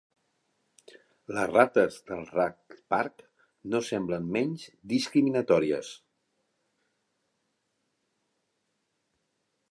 Les rates del Rat Park no semblaven menys discriminatòries.